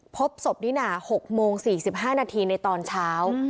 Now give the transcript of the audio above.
พบศพนิน่า๖โมง๔๕นาทีในตอนเช้า